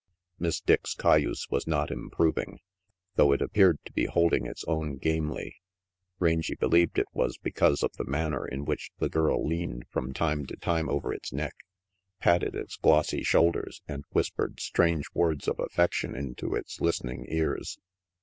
Miss Dick's cayuse was not improving, though it appeared to be holding its own gamely. Rangy believed it was because of the manner in which the RANGY PETE 141 girl leaned from time to time over its neck, patted its glossy shoulders and whispered strange words of affection into its listening ears.